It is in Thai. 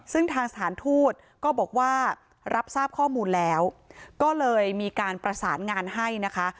ซึ่งทางสถานทูตก็บอกว่ารับทราบข้อมูลแล้วก็เลยมีการประสานงานให้นะคะ